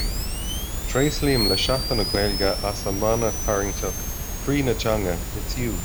Tréaslaím le Seachtain na Gaeilge as a mana tarraingteach "Croí na Teanga: It's you".